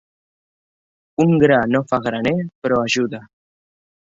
Un gra no fa graner, però ajuda.